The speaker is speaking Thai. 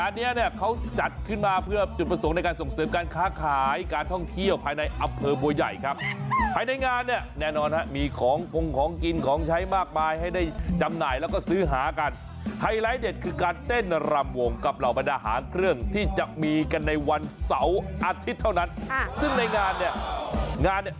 อันนี้เนี่ยเขาจัดขึ้นมาเพื่อจุดประสงค์ในการส่งเสริมการค้าขายการท่องเที่ยวภายในอำเภอบัวใหญ่ครับภายในงานเนี่ยแน่นอนฮะมีของกงของกินของใช้มากมายให้ได้จำหน่ายแล้วก็ซื้อหากันไฮไลท์เด็ดคือการเต้นรำวงกับเหล่าบรรดาหางเครื่องที่จะมีกันในวันเสาร์อาทิตย์เท่านั้นซึ่งในงานเนี่ยงานเนี่ย